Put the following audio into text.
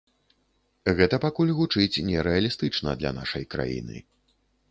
Гэта пакуль гучыць не рэалістычна для нашай краіны.